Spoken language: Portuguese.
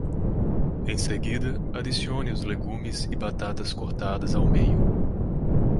Em seguida, adicione os legumes e batatas cortadas ao meio.